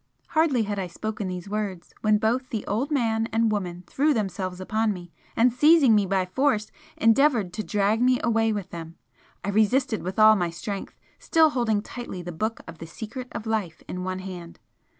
Hardly had I spoken these words when both the old man and woman threw themselves upon me and seizing me by force, endeavoured to drag me away with them. I resisted with all my strength, still holding tightly the book of the 'Secret of Life' in one hand.